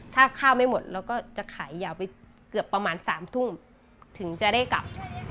ถ้าข้าวไม่หมดเราก็จะขายยาวไปเกือบประมาณ๓ทุ่มถึงจะได้กลับ